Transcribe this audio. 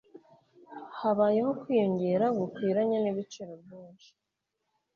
Habayeho kwiyongera gukwiranye nibiciro byinshi.